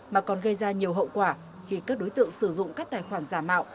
mà còn gây ra nhiều hậu quả khi các đối tượng sử dụng các tài khoản giả mạo